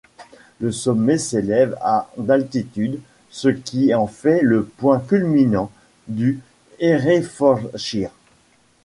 Le sommet s'élève à d'altitude, ce qui en fait le point culminant du Herefordshire.